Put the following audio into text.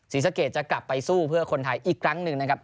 ศรีสะเกดจะกลับไปสู้เพื่อคนไทยอีกครั้งหนึ่งนะครับ